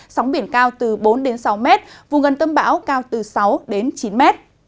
sóng biển cao từ bốn sáu m vùng gần tâm báo cao từ sáu chín m